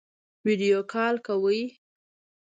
ویډیو کال کوئ؟